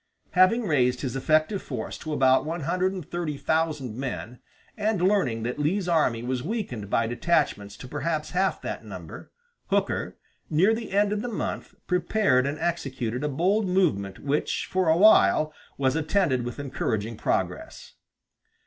Having raised his effective force to about one hundred and thirty thousand men, and learning that Lee's army was weakened by detachments to perhaps half that number, Hooker, near the end of the month, prepared and executed a bold movement which for a while was attended with encouraging progress.